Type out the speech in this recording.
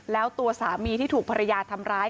แล้วตัวสามีที่ถูกภรรยาทำร้าย